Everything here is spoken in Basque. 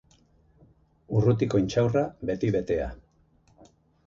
Urrutiko intxaurra, beti betea.